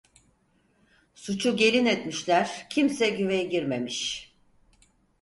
Suçu gelin etmişler, kimse güvey girmemiş.